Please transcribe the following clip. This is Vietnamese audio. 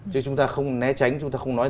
chứ chúng ta không né tránh chúng ta không nói